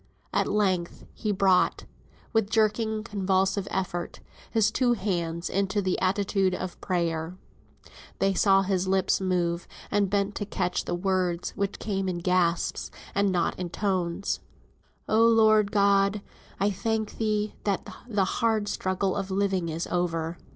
At length he brought (with jerking, convulsive effort) his two hands into the attitude of prayer. They saw his lips move, and bent to catch the words, which came in gasps, and not in tones. "Oh Lord God! I thank thee, that the hard struggle of living is over."